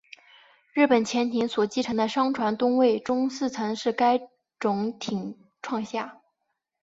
日本潜艇所击沉的商船吨位中四成是该种艇创下。